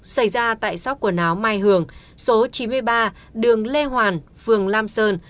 xảy ra tại sóc quần áo mai hường số chín mươi ba đường lê hoàn phường lam sơn